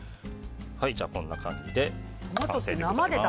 こんな感じで完成でございます。